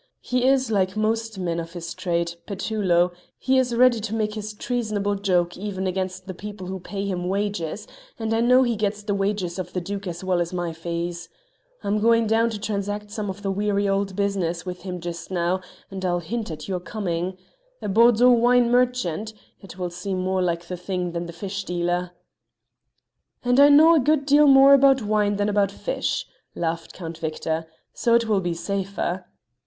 He is like most men of his trade, Petullo; he is ready to make his treasonable joke even against the people who pay him wages, and I know he gets the wages of the Duke as well as my fees. I'm going down to transact some of the weary old business with him just now, and I'll hint at your coming. A Bordeaux wine merchant it will seem more like the thing than the fish dealer." "And I know a good deal more about wine than about fish," laughed Count Victor, "so it will be safer."